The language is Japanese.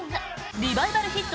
リバイバルヒット